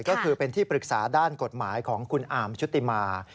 ก็คือเป็นที่ปรึกษาด้านกฎหมายของคุณอาร์มชุติมา